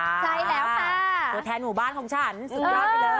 ใช่แล้วค่ะตัวแทนหมู่บ้านของฉันสุดยอดไปเลย